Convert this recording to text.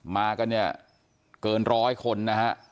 มากันเนี่ยเกินร้อยคนนะฮะ